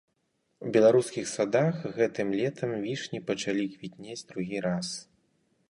У беларускіх садах гэтым летам вішні пачалі квітнець другі раз.